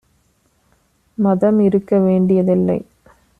மதம் இருக்க வேண்டியதில்லை